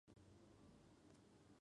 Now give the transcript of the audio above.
Es una planta muy hermosa.